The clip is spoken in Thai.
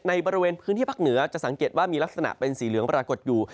บริเวณพื้นที่ภาคเหนือจะสังเกตว่ามีลักษณะเป็นสีเหลืองปรากฏอยู่